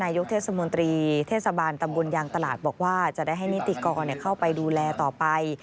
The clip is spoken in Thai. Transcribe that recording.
ยกเทศมนตรีเทศบาลตำบลยางตลาดบอกว่าจะได้ให้นิติกรเข้าไปดูแลต่อไป